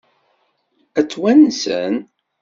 Ad t-wansen?